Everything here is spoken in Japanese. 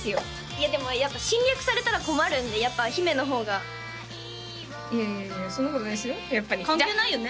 いやでもやっぱ侵略されたら困るんでやっぱ姫の方がいやいやいやそんなことないですよ